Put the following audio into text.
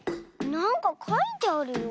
なんかかいてあるよ。